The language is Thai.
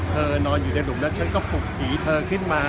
เธอนอนอยู่ในหลุมและฉันก็ฝุกหรีเธอขึ้นมา